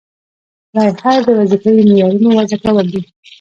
لایحه د وظیفوي معیارونو وضع کول دي.